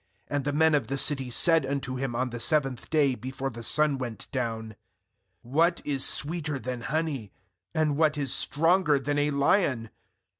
18And the men of the city unto him on the seventh day t>efore the sun went down: What is sweeter than honey? And what is stronger than a lion?